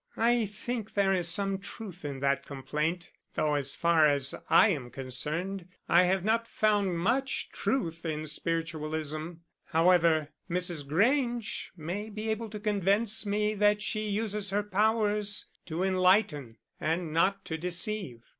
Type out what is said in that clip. "I think there is some truth in that complaint, though as far as I am concerned I have not found much truth in spiritualism. However, Mrs. Grange may be able to convince me that she uses her powers to enlighten, and not to deceive.